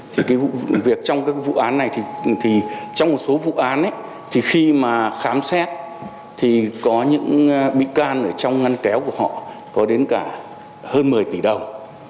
thì cái vụ làm việc trong các vụ án này thì trong một số vụ án thì khi mà khám xét thì có những bị can ở trong ngăn kéo của họ có đến cả hơn một mươi tỷ đồng